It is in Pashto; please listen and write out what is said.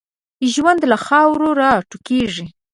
ژوند له خاورو را ټوکېږي.